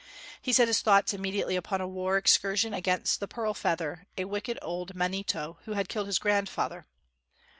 He set his thoughts immediately upon a war excursion against the Pearl Feather, a wicked old manito, who had killed his grandfather.